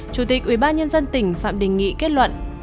chủ tịch ubnd tỉnh phạm đình nghị kết luận